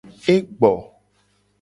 E gbo.